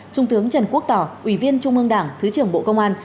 trung tướng trần quốc tỏ ủy viên trung ương đảng thứ trưởng bộ công an